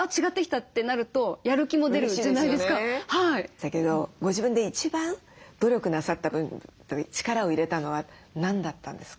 だけどご自分で一番努力なさった部分力を入れたのは何だったんですか？